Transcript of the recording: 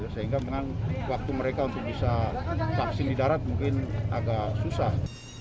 sehingga memang waktu mereka untuk bisa vaksin di darat mungkin agak susah